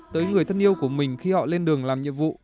tới người thân yêu của mình khi họ lên đường làm nhiệm vụ